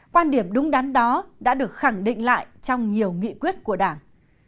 quan điểm đúng đắn đó đã được khẳng định lại trong nhiều nghị quyết của đảng